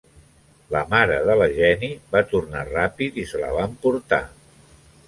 La mare de la Jenny va tornar ràpid i se la va emportar.